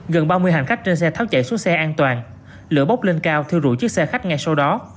gần ba mươi hành khách trên xe tháo chạy xuống xe an toàn lửa bốc lên cao thiêu rụi chiếc xe khách ngay sau đó